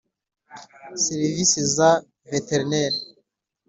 serivisi za veterineri